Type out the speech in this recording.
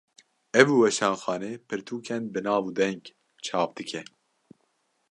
Ev weşanxane, pirtûkên bi nav û deng çap dike